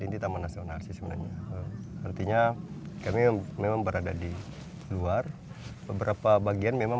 ini taman nasional sih sebenarnya artinya kami memang berada di luar beberapa bagian memang